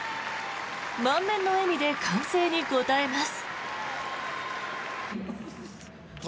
満面の笑みで歓声に応えます。